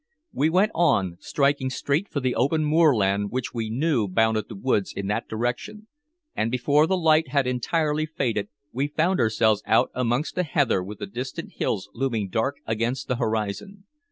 We went on, striking straight for the open moorland which we knew bounded the woods in that direction, and before the light had entirely faded we found ourselves out amongst the heather with the distant hills looming dark against the horizon.